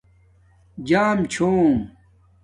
جݳم چھُوم